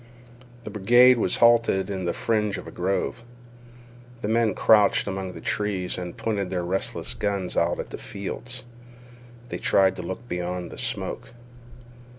The brigade was halted in the fringe of a grove. The men crouched among the trees and pointed their restless guns out at the fields. They tried to look beyond the smoke.